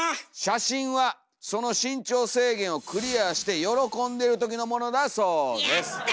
写真はその身長制限をクリアして喜んでるときのもの」だそうです。